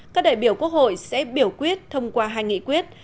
các đại biểu quốc hội sẽ biểu quyết thông qua hai nghị quyết